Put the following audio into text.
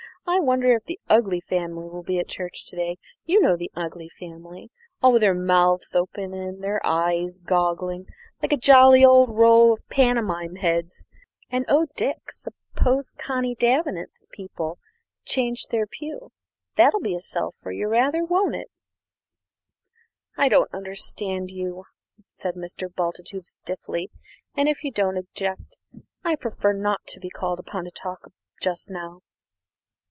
I wonder if the 'ugly family' will be at church to day? You know the ugly family; all with their mouths open and their eyes goggling, like a jolly old row of pantomime heads. And oh, Dick, suppose Connie Davenant's people have changed their pew that'll be a sell for you rather, won't it?" "I don't understand you," said Mr. Bultitude stiffly; "and, if you don't object, I prefer not to be called upon to talk just now."